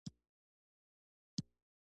د دنیوي جزاګانو ډاروي.